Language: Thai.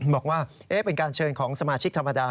บอกว่าเป็นการเชิญของสมาชิกธรรมดา